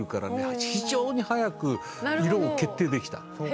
非常に早く色を決定できた。